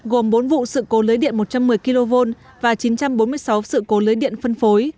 gồm bốn vụ sự cố lưới điện một trăm một mươi kv và chín trăm bốn mươi sáu sự cố lưới điện phân phối